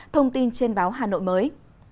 thông tin trên báo hà nội mới